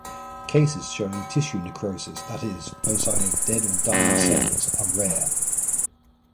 Cases showing tissue necrosis (that is foci of dead or dying cells) are rare.